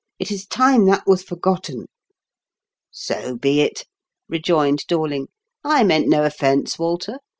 " It is time that was forgotten." " So be it," rejoined Dorling. " I meant no offence, Walter.